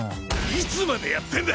いつまでやってんだ！